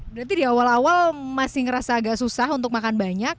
berarti di awal awal masih ngerasa agak susah untuk makan banyak